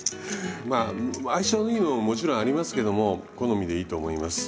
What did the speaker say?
まあ相性のいいのももちろんありますけども好みでいいと思います。